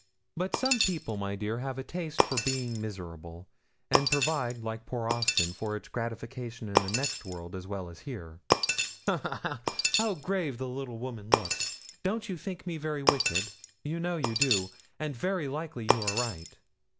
But some people, my dear, have a taste for being miserable, and provide, like poor Austin, for its gratification in the next world as well as here. Ha, ha, ha! how grave the little woman looks! Don't you think me very wicked? You know you do; and very likely you are right.